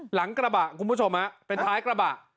หลังกระบะคุณผู้ชมเป็นท้ายกระบะ